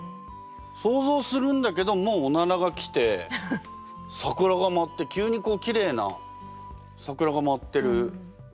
想像するんだけどもう「おなら」が来て桜がまって急にこうきれいな桜がまってる。